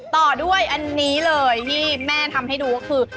ต่อด้วยอันนี้เลยที่แม่ทำให้ดูก็คือ